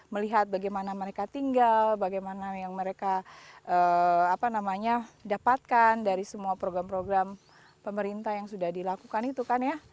melihat bagaimana mereka tinggal bagaimana yang mereka dapatkan dari semua program program pemerintah yang sudah dilakukan itu kan ya